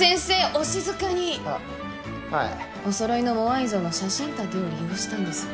お静かにあはいお揃いのモアイ像の写真立てを利用したんです